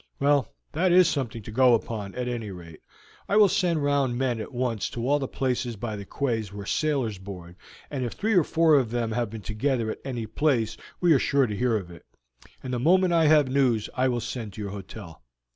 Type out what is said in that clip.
"Well, that is something to go upon, at any rate. I will send round men at once to all the places by the quays where sailors board, and if three or four of them have been together at any place we are sure to hear of it, and the moment I have news I will send to your hotel."